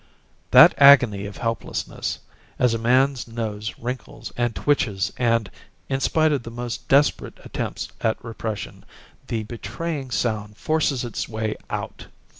That agony of helplessness, as a man's nose wrinkles and twitches and in spite of the most desperate attempts at repression the betraying sound forces its way out!